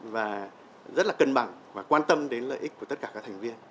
và rất là cân bằng và quan tâm đến lợi ích của tất cả các thành viên